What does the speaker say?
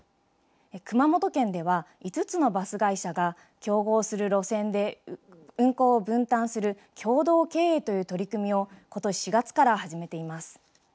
熊本県では、５つのバス会社が、競合する路線で運行を分担する共同経営という取り組みを、ことし４月から始めています。